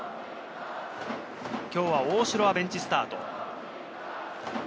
今日は大城はベンチスタート。